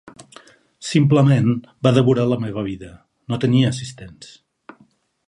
Simplement va devorar la meva vida, no tenia assistents.